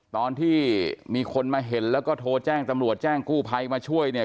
ตอนที่มีคนมาเห็นแล้วก็โทรแจ้งตำรวจแจ้งกู้ภัยมาช่วยเนี่ย